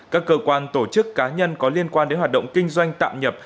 các cơ quan tổ chức cá nhân có liên quan đến hoạt động kinh doanh tạm nhập